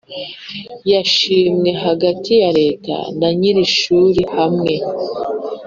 yasinywe hagati ya Leta na nyir ishuri hamwe